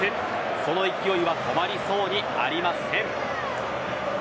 その勢いは止まりそうにありません。